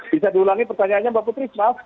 bisa diulangi pertanyaannya mbak putri maaf